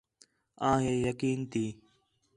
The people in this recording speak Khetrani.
آں ہے یقین تی